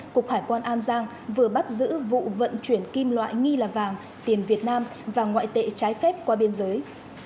cục hải quan an giang vừa bắt giữ vụ vận chuyển kim loại nghi là vàng tiền việt nam và ngoại tệ trái phép qua biên giới